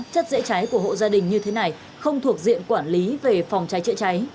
chất dễ cháy của hộ gia đình như thế này không thuộc diện quản lý về phòng cháy chữa cháy